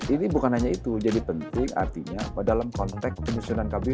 ini bukan hanya itu jadi penting artinya dalam konteks penyusunan kabinet